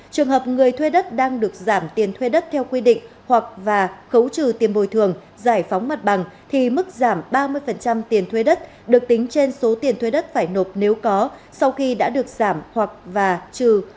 trường hợp người thuê đất đang được giảm tiền thuê đất theo quy định hoặc và khấu trừ tiền bồi thường giải phóng mặt bằng thì mức giảm ba mươi tiền thuê đất được tính trên số tiền thuê đất phải nộp nếu có sau khi đã được giảm hoặc và trừ